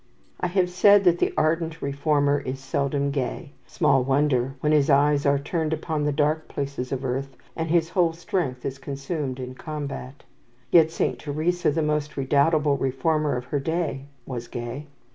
I have said that the ardent reformer is seldom gay. Small wonder, when his eyes are turned upon the dark places of earth, and his whole strength is consumed in combat. Yet Saint Teresa, the most redoubtable reformer of her day, was gay.